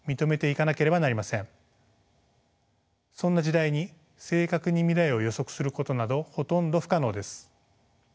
そんな時代に正確に未来を予測することなどほとんど不可能です。